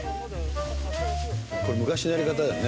これ昔のやり方だね。